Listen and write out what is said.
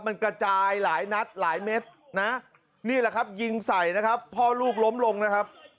มันกระจายหลายนัดหลายเม็ดนะนี่แหละครับยิงใส่นะครับพ่อลูกล้มลงนะครับ